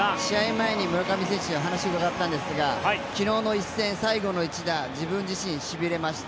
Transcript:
前に村上選手にお話を伺ったんですが昨日の一戦、最後の一打自分自身しびれました。